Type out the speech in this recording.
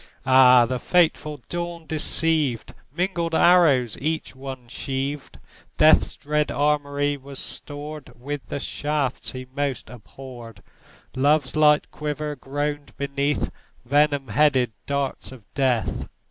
Ah, the fateful dawn deceived! Mingled arrows each one sheaved; Death's dread armoury was stored With the shafts he most abhorred; Love's light quiver groaned beneath Venom headed darts of Death.